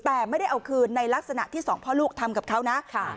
แต่ไม่ได้เอาคืนในลักษณะที่สองพ่อลูกทำกับเขานะ